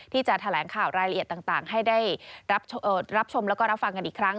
ที่จะแถลงข่าวรายละเอียดต่างให้ได้รับชมแล้วก็รับฟังกันอีกครั้ง